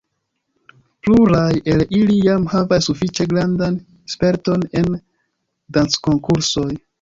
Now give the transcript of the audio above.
Pluraj el ili jam havas sufiĉe grandan sperton en danckonkursoj.